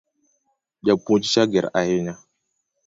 Japuonj cha ger ahinya